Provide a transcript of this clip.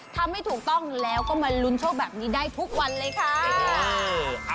ทำให้ถูกต้องแล้วก็มาลุ้นโชคแบบนี้ได้ทุกวันเลยค่ะ